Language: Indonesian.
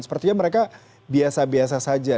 sepertinya mereka biasa biasa saja